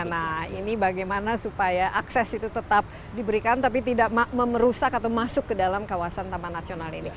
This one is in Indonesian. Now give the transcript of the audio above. nah ini bagaimana supaya akses itu tetap diberikan tapi tidak memerusak atau masuk ke dalam kawasan taman nasional ini